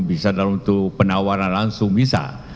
bisa dalam untuk penawaran langsung bisa